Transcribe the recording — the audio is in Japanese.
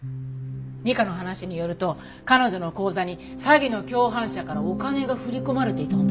二課の話によると彼女の口座に詐欺の共犯者からお金が振り込まれていたんだそうよ。